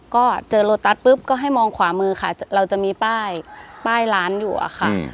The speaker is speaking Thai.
ก็เจอโลตัสปุ๊บก็ให้มองขวามือค่ะเราจะมีป้ายป้ายร้านอยู่อะค่ะ